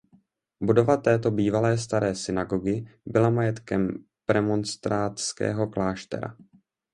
Budova této bývalé staré synagogy byla majetkem premonstrátského kláštera.